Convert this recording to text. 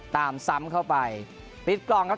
ตามซ้ำเข้าไปปิดกล่องครับ